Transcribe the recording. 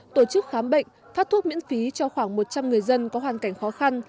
tổ chức khám bệnh phát thuốc miễn phí cho khoảng một trăm linh người dân có hoàn cảnh khó khăn